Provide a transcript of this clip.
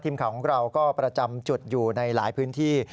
ทีมข่าวของเราก็ประจำจุดอยู่ในหลายพื้นที่